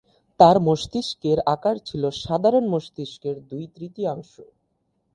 তার মস্তিষ্কের আকার ছিল সাধারণ মস্তিষ্কের দুই-তৃতীয়াংশ।